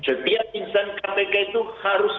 setiap insan kpk itu harus